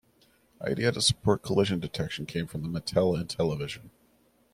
The idea to support collision detection came from the Mattel Intellivision.